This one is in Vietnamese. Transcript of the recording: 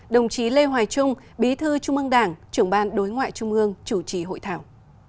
đồng chí lê hoài trung bí thư trung ương đảng trưởng ban đối ngoại trung ương chủ trì hội thảo